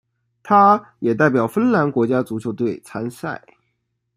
他也代表芬兰国家足球队参赛。